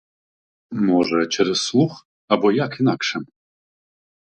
Може, через слуг, або як інакше.